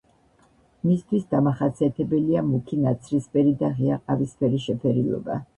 მისთვის დამახასიათებელია მუქი ნაცრისფერი და ღია ყავისფერი შეფერილობა.